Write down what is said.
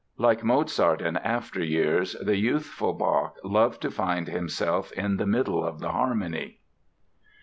Like Mozart in after years, the youthful Bach loved to find himself "in the middle of the harmony."